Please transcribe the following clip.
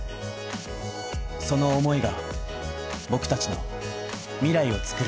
その思いが僕達の未来をつくる